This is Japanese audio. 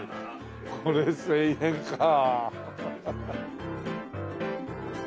これ１０００円かあ。